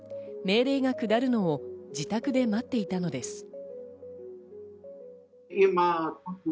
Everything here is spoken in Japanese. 命令が下るのを自宅で待っていたのです。